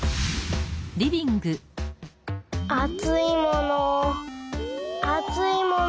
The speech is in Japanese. あついものあついもの。